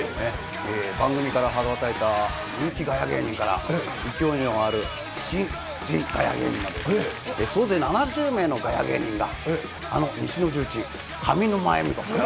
番組から羽ばたいた人気ガヤ芸人から、勢いのある新人ガヤ芸人まで、総勢７０名のガヤ芸人が、あの西の重鎮、上沼恵美子さん。